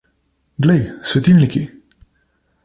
Glej, svetilniki!